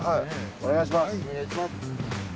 お願いします。